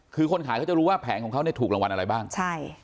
คือคนขายก็จะรู้ว่าแผงเขาอาจ